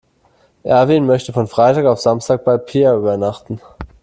Erwin möchte von Freitag auf Samstag bei Peer übernachten.